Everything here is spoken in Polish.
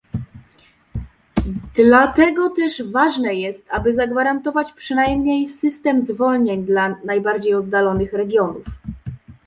Dlatego też ważne jest, aby zagwarantować przynajmniej system zwolnień dla najbardziej oddalonych regionów